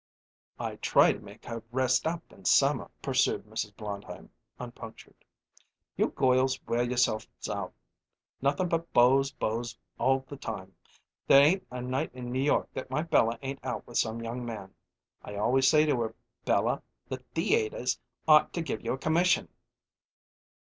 "I try to make her rest up in summer," pursued Mrs. Blondheim, unpunctured. "You goils wear yourselves out nothin' but beaus, beaus all the time. There ain't a night in New York that my Bella ain't out with some young man. I always say to her, 'Bella, the theayters ought to give you a commission.'"